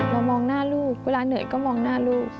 มองหน้าลูกเวลาเหนื่อยก็มองหน้าลูก